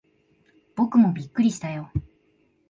僕もびっくりしたよ。